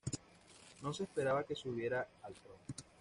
No se esperaba que subiera al trono.